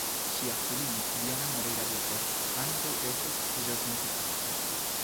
Ŝia filino Diana Moreira-Booker ankaŭ estas ĵazmuzikisto.